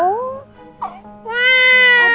yuk yuk kita jalan ya